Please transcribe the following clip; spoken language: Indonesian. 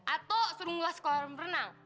atau suruh gua sekolah renang